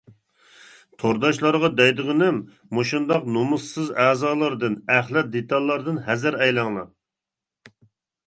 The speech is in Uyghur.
تورداشلارغا دەيدىغىنىم: مۇشۇنداق نومۇسسىز ئەزالاردىن، ئەخلەت دېتاللاردىن ھەزەر ئەيلەڭلار.